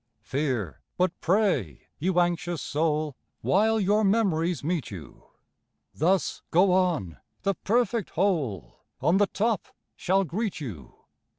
Fear, but pray, you anxious soul, While your mem'ries meet you! Thus go on; the perfect whole On the top shall greet you.